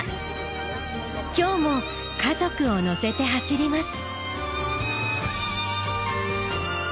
今日も家族を乗せて走ります。